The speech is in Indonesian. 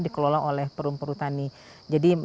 dikelola oleh perum perhutani jadi